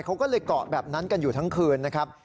เขาก็เลยเกาะแบบนั้นกันอยู่ทั้งคืนนะครับ